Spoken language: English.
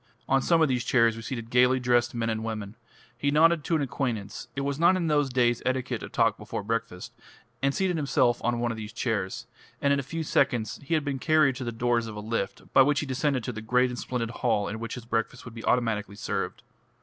On some of these chairs were seated gaily dressed men and women. He nodded to an acquaintance it was not in those days etiquette to talk before breakfast and seated himself on one of these chairs, and in a few seconds he had been carried to the doors of a lift, by which he descended to the great and splendid hall in which his breakfast would be automatically served.